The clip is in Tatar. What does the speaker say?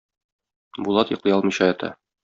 Булат йоклый алмыйча ята.